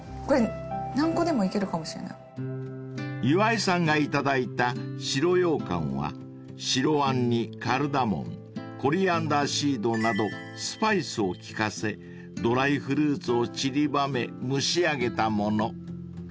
［岩井さんが頂いた白羊羹は白あんにカルダモンコリアンダーシードなどスパイスを利かせドライフルーツをちりばめ蒸し上げたもの］